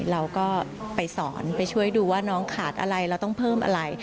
เราก็ไปสอนไปช่วยดูว่าน้องขาดอะไรเราต้องเพิ่มอะไร